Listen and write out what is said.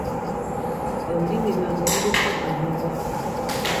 Olulimi lwange luliko amabwa.